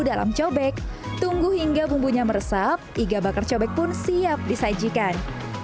dalam cobek tunggu hingga bumbunya meresap iga bakar cobek pun siap disajikan